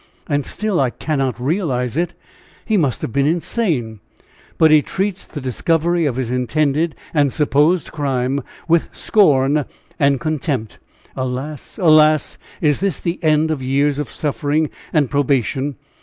And still I cannot realize it! He must have been insane! But he treats the discovery of his intended and supposed crime with scorn and contempt! Alas! alas! is this the end of years of suffering and probation?